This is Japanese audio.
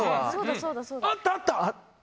あったあった！